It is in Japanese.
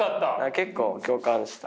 結構共感した。